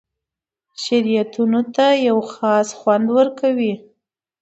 شربتونو ته یو خاص خوند ورکوي.